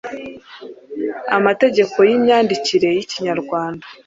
amategeko y’imyandikire y’ikinyarwanda.